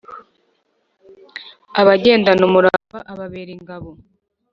abagendana umurava ababera ingabo,